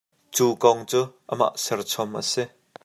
Cu kong cu amah serchom a si.